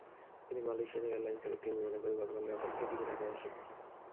তিনি মালয়েশিয়ান এয়ারলাইনসের একটি বিমানে করে গতকাল রাত একটার দিকে ঢাকায় আসেন।